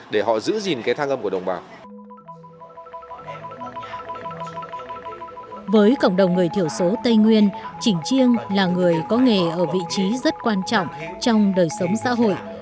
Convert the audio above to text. với cộng đồng người thiểu số tây nguyên chỉnh chiêng là người có nghề ở vị trí rất quan trọng trong đời sống xã hội